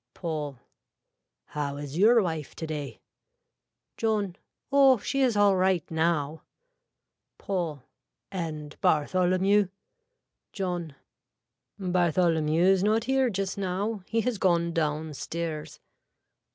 (Paul.) How is your wife today. (John.) Oh she is all right now. (Paul.) And Bartholomew. (John.) Bartholomew is not here just now. He has gone down stairs.